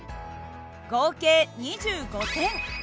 合計２５点。